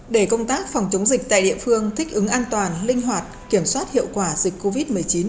để công tác phòng chống dịch tại địa phương thích ứng an toàn linh hoạt kiểm soát hiệu quả dịch covid một mươi chín